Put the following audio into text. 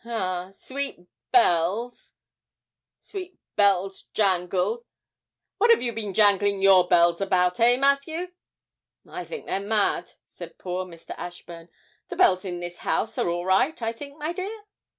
ah, sweet bells, sweet bells jangled. What have you been jangling your bells about, eh, Matthew?' 'I think they're mad,' said poor Mr. Ashburn; 'the bells in this house are all right, I think, my dear?'